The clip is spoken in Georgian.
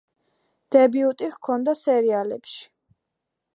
დებიუტი ჰქონდა სერიალებში.